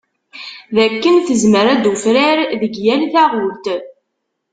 Dakken tezmer ad d-tufrar deg yal taɣult.